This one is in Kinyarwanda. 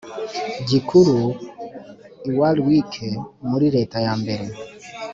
gikuru i Warwick muri leta ya mbere